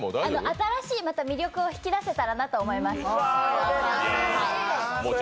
新しい魅力を引き出せたらなと思います。